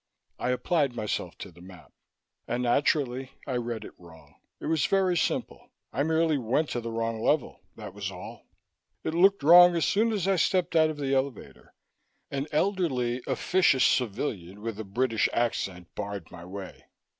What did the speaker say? I applied myself to the map. And, naturally, I read it wrong. It was very simple; I merely went to the wrong level, that was all. It looked wrong as soon as I stepped out of the elevator. An elderly, officious civilian with a British accent barred my way.